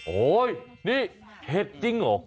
โอ้โหนี่เห็ดจริงเหรอ